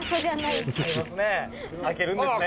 「開けるんですね」